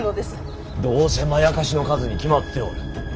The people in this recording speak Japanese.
どうせまやかしの数に決まっておる。